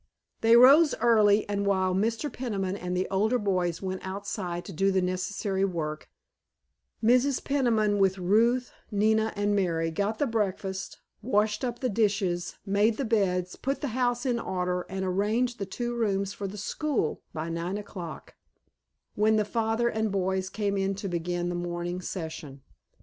They rose early, and while Mr. Peniman and the older boys went outside to do the necessary work, Mrs. Peniman with Ruth, Nina, and Mary got the breakfast, washed up the dishes, made the beds, put the house in order, and arranged the two rooms for the "school" by nine o'clock, when the father and boys came in to begin the morning session.